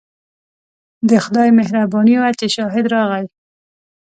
د خدای مهرباني وه چې شاهد راغی.